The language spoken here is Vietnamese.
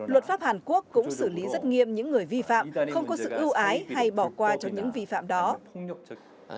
luật pháp hàn quốc cũng xử lý rất nghiêm những người vi phạm không có sự ưu ái hay bỏ qua cho những vi phạm đó